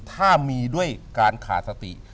ถ้ามีด้วยการขาดสติ